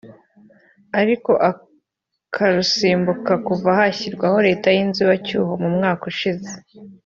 ariko akarusimbuka kuva hashyirwaho leta y’inzubacyuho mu mwaka ushize